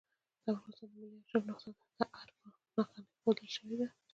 د افغانستان د ملي آرشیف نسخه د آر په نخښه ښوول کېږي.